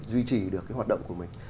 duy trì được cái hoạt động của mình